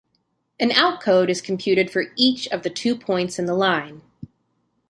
An outcode is computed for each of the two points in the line.